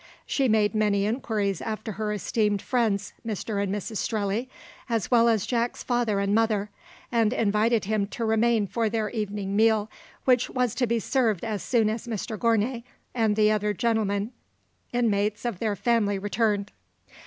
She made many inquiries after her esteemed friends Mr and Mrs Strelley, as well as Jack's father and mother, and invited him to remain for their evening meal, which was to be served as soon as Mr Gournay and the other gentlemen inmates of their family returned.